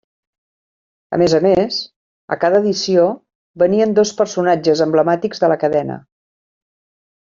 A més a més, a cada edició, venien dos personatges emblemàtics de la cadena.